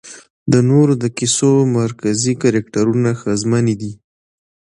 د نورو د کيسو مرکزي کرکټرونه ښځمنې دي